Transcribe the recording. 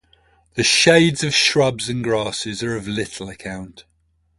The shades of shrubs and grasses are of little account.